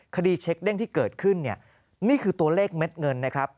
คดีเช็คเด้งที่เกิดขึ้นเนี่ยนี่คือตัวเลขเม็ดเงินนะครับ